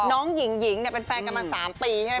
น้องหญิงหญิงเนี่ยเป็นแฟนกันมา๓ปีใช่ไหมพี่แจ๊ก